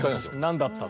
何だったの。